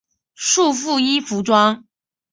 束缚衣服装。